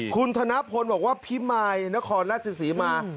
คุณธนพลบอกว่าพิมายนครนักศิษย์มา